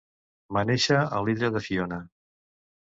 Va néixer a l'illa de Fiònia.